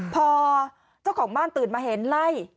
พอเจ้าของบ้านตื่นมาเห็นไล่